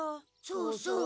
そうそう。